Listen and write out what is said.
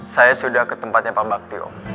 saya sudah ke tempatnya pak baktio